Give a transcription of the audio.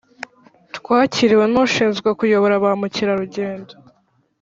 twakiriwe n’ushinzwe kuyobora ba mukerarugendo